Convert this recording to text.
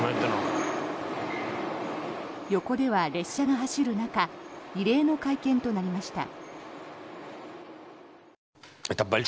横では列車が走る中異例の会見となりました。